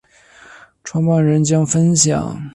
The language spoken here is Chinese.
创办人将分享